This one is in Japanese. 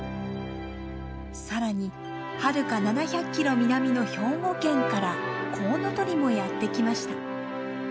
更にはるか７００キロ南の兵庫県からコウノトリもやって来ました。